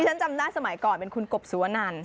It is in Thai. ฉันจำได้สมัยก่อนเป็นคุณกบสุวนัน